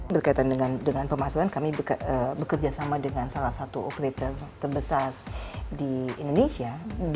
berkaitan dengan pemasaran kami bekerjasama dengan salah satu operator terbesar di indonesia